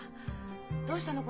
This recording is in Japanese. どうしたの？